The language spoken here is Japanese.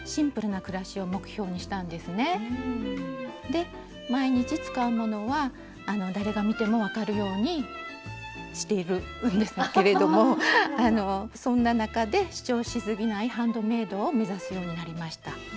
で毎日使うものは誰が見ても分かるようにしているんですけれどもそんな中で主張しすぎないハンドメイドを目指すようになりました。